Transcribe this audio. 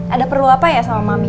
ada perlu apa ya sama mami